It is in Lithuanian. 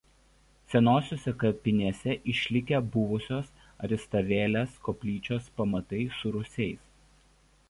Senosiose kapinėse išlikę buvusios Aristavėlės koplyčios pamatai su rūsiais.